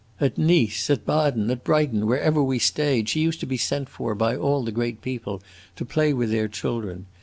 At Nice, at Baden, at Brighton, wherever we stayed, she used to be sent for by all the great people to play with their children.